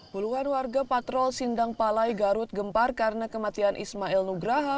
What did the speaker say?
puluhan warga patrol sindang palai garut gempar karena kematian ismail nugraha